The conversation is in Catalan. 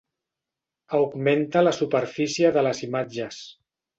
Augmenta la superfície de les imatges.